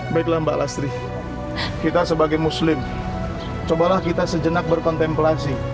baiklah mbak lastri kita sebagai muslim cobalah kita sejenak berkontemplasi